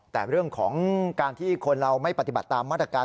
แต่เรื่องของการที่คนเราไม่ปฏิบัติตามมาตรการ